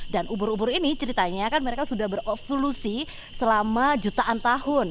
ubur ubur ini ceritanya kan mereka sudah berovolusi selama jutaan tahun